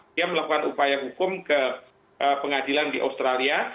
dia melakukan upaya hukum ke pengadilan di australia